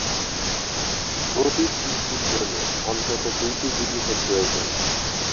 গতি-সৃষ্টির জন্য অন্তত দুইটি জিনিষের প্রয়োজন।